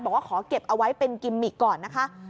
บอกว่าขอเก็บเอาไว้เป็นกิมมิกก่อนนะคะ